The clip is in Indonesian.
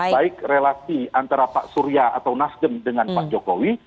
baik relasi antara pak surya atau nasdem dengan pak jokowi